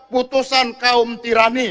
putusan kaum tirani